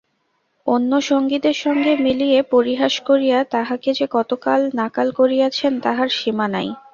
অন্য সঙ্গীদের সঙ্গে মিলিয়া পরিহাস করিয়া তাঁহাকে যে কতকাল নাকাল করিয়াছেন তাহার সীমা নাই।